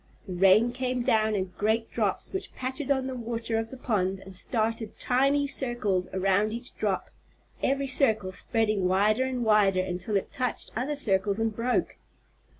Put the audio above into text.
The rain came down in great drops which pattered on the water of the pond and started tiny circles around each drop, every circle spreading wider and wider until it touched other circles and broke.